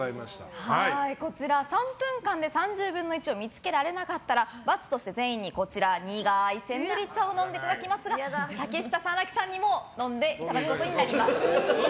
こちら３分間で３０分の１を見つけられなかったら罰として全員に苦いセンブリ茶を飲んでいただきますが竹下さん、荒木さんにも飲んでいただくことになります。